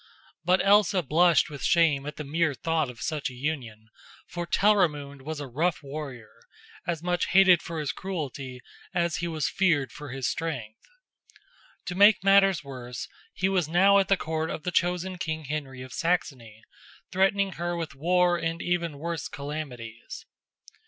But Elsa blushed with shame at the mere thought of such a union, for Telramund was a rough warrior, as much hated for his cruelty as he was feared for his strength. To make matters worse he was now at the court of the chosen King Henry of Saxony, threatening her with war and even worse calamities.